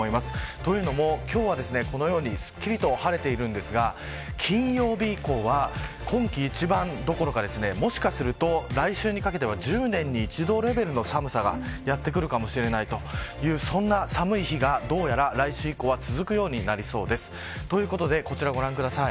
というのも今日はこのようにすっきりと晴れているんですが金曜日以降は今季一番どころかもしかすると、来週にかけては１０年に一度レベルの寒さがやってくるかもしれないとそんな寒い日がどうやら来週以降続くようになりそうです。ということでこちら、ご覧ください。